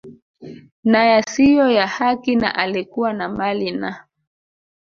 na yasiyo ya haki na alikuwa na mali na